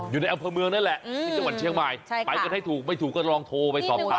อยู่ในอำเภอเมืองนั่นแหละที่จังหวัดเชียงใหม่ไปกันให้ถูกไม่ถูกก็ลองโทรไปสอบถาม